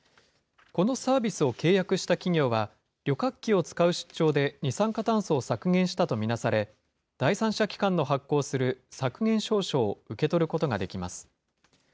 このサービスを契約した企業は、旅客機を使う出張で二酸化炭素を削減したと見なされ、第三者機関の発行する削減証書を受け取ることができます。